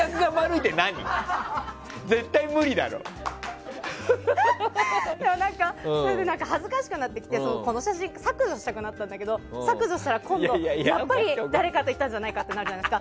でも、それで恥ずかしくなってこの写真削除したくなったんだけど削除したら今度やっぱり誰かと行ったんじゃないかってなるじゃないですか。